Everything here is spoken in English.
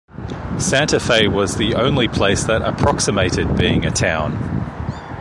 Santa Fe was the only place that approximated being a town.